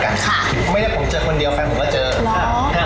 ค่ะไม่ได้ผมเจอคนเดียวแฟนผมก็เจอ